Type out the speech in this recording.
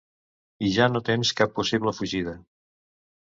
I ja no tens cap possible fugida.